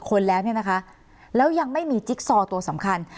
คนแล้วเนี่ยนะคะแล้วยังไม่มีจิ๊กซอตัวสำคัญ